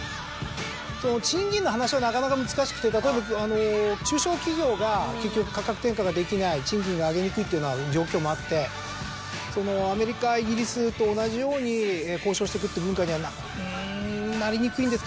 その賃金の話はなかなか難しくて例えば中小企業が結局価格転嫁ができない賃金が上げにくいっていうような状況もあってアメリカイギリスと同じように交渉してくって文化にはうんなりにくいんですけど。